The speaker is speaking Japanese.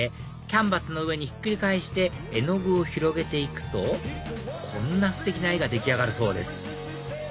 キャンバスの上にひっくり返して絵の具を広げて行くとこんなステキな絵が出来上がるそうです